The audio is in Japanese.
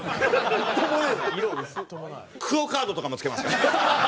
ＱＵＯカードとかも付けますから。